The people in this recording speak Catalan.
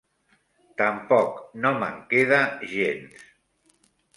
Tampoc; no me'n queda gens.